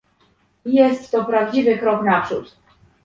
Jest to prawdziwy krok naprzód